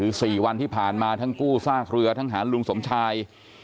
คือ๔วันที่ผ่านมาทั้งกู้ซากเรือทั้งหาลุงสมชาย